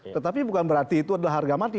tetapi bukan berarti itu adalah harga mati